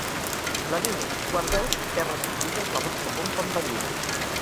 La línia "Guardeu, terres antigues, la vostra pompa envellida"!